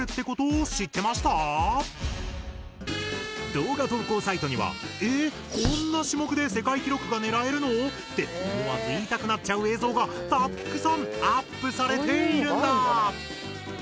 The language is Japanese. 動画投稿サイトには「え⁉こんな種目で世界記録が狙えるの？」って思わず言いたくなっちゃう映像がたくさんアップされているんだ。